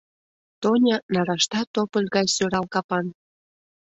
Тоня нарашта тополь гай сӧрал капан.